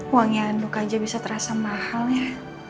uang yang anduk aja bisa terasa mahal ya